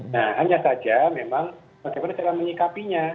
nah hanya saja memang bagaimana cara menyikapinya